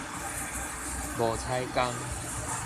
無彩工